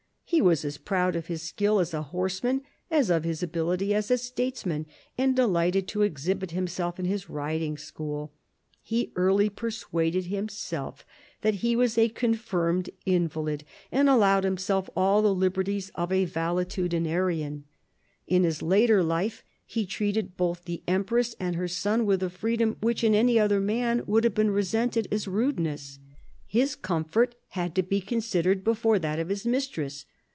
He was as proud of his skill as a horseman as of his ability as a statesman, and de lighted to exhibit himself in his riding school. He early persuaded himself that he was a confirmed invalid, and allowed himself all the liberties of a valetudinarian. 1760 68 THE SEVEN YEARS' WAR 187 In his later life he treated both the empress and her son with a freedom which in any other man would have been resented as rudeness. His comfort had to be con sidered before that of his mistress.